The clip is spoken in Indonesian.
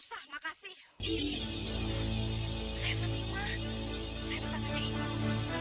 saya tetangganya ibu